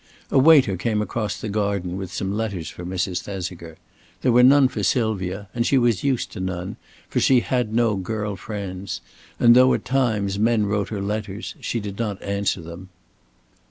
A waiter came across the garden with some letters for Mrs. Thesiger. There were none for Sylvia and she was used to none, for she had no girl friends, and though at times men wrote her letters she did not answer them.